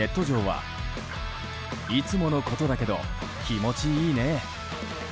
これにネット上はいつものことだけど気持ちいいね。